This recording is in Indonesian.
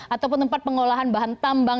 ataupun tempat pengolahan bahan tambang